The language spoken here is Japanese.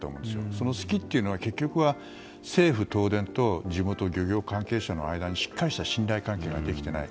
その隙というのは結局は政府、東電と地元漁業関係者の間にしっかりした信頼関係ができていない。